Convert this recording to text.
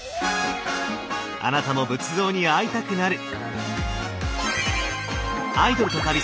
あなたも仏像に会いたくなる！